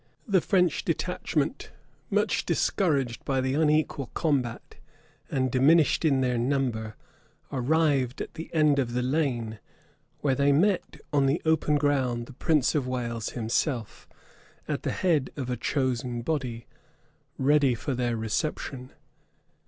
The French detachment, much discouraged by the unequal combat, and diminished in their number, arrived at the end of the lane, where they met on the open ground the prince of Wales himself, at the head of a chosen body, ready for their reception.